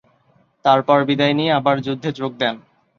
তারপর বিদায় নিয়ে আবার যুদ্ধে যোগ দেন।